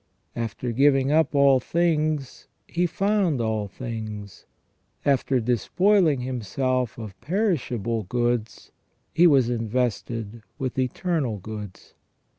After giving up all things, he found all things ; after despoiling himself of perishable goods, he was invested with eternal goods.